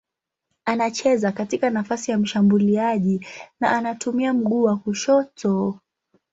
Anacheza katika nafasi ya mshambuliaji na anatumia mguu wa kushoto.